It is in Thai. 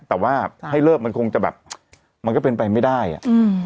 แต่ว่าถ้าให้เลิกมันคงจะแบบมันก็เป็นไปไม่ได้อ่ะอืม